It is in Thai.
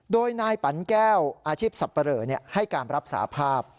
โดยนายปันแก้วอาชีพสับปะเหลอให้การรับสาภาพ